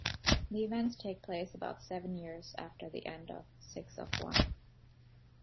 The events take place about seven years after the end of "Six of One".